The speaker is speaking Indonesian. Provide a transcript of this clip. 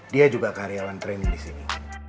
dia juga karyawan training di sini